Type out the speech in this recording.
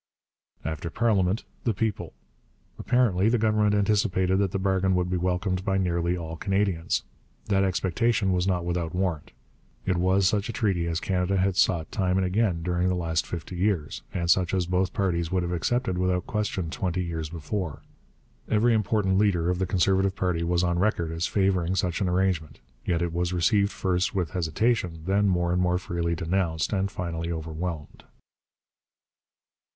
After parliament, the people. Apparently the Government anticipated that the bargain would be welcomed by nearly all Canadians. That expectation was not without warrant. It was such a treaty as Canada had sought time and again during the last fifty years, and such as both parties would have accepted without question twenty years before. Every important leader of the Conservative party was on record as favouring such an arrangement. Yet it was received first with hesitation, then more and more freely denounced, and finally overwhelmed.